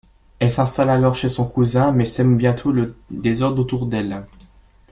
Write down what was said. Elle s'installe alors chez son cousin, mais sème bientôt le désordre autour d'elle...